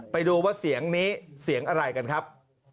ไปดูว่าเสียงนี้เสียงอะไรกันครับ